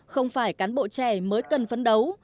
không phải cán bộ trẻ mới cần phấn đấu